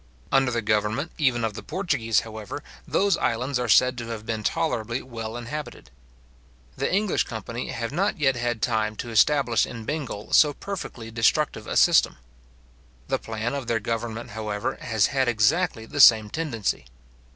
Under the government even of the Portuguese, however, those islands are said to have been tolerably well inhabited. The English company have not yet had time to establish in Bengal so perfectly destructive a system. The plan of their government, however, has had exactly the same tendency.